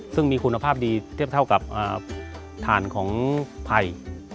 ซึ่งมีคุณภาพดีเทียบเท่ากับถ่านของไผ่